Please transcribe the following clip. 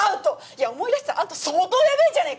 いや思い出したらあんた相当ヤベェじゃねえか。